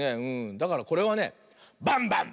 だからこれはね「バンバン」。